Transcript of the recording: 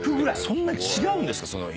そんな違うんですか？